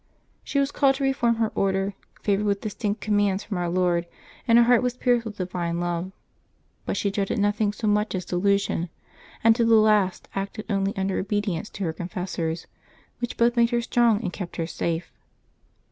She was called to reform her Order, favored with distinct commands from Our Lord, and her heart was pierced with divine love ; but she dreaded nothing so much as delusion, and to the last acted only under obedience to her confessors, which both made her strong and kept her safe.